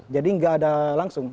jadi tidak ada langsung